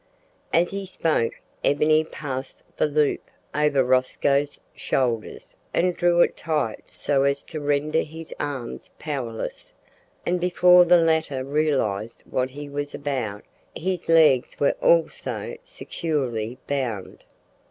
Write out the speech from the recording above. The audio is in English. As he spoke, Ebony passed the loop over Rosco's shoulders and drew it tight so as to render his arms powerless, and before the latter realised what he was about his legs were also securely bound.